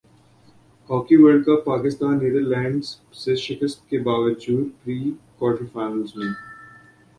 hockey world cup Pakistan Netherlands سے شکست کے باوجود پری کوارٹر فائنل میں